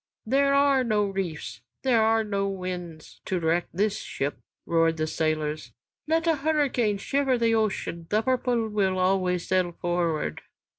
"There are no reefs, there are no winds to wreck this ship," roared the sailors. "Let a hurricane shiver the ocean, 'The Purple' will always sail forward."